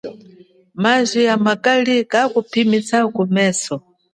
Maji amakali kakupihisa kumeso.